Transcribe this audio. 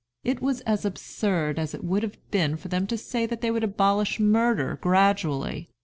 It was as absurd as it would have been for them to say they would abolish murder gradually.